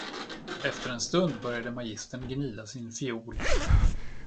Efter en stund började magistern gnida sin fiol.